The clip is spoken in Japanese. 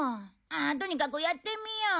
とにかくやってみよう。